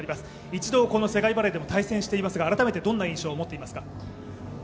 一度、この世界バレーでも対戦していますが改めてどんな印象を持っていますか？